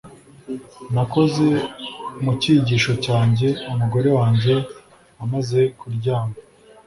Nakoze mu cyigisho cyanjye umugore wanjye amaze kuryama